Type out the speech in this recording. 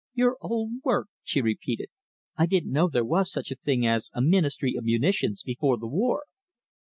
"Your old work," she repeated. "I didn't know there was such a thing as a Ministry of Munitions before the war."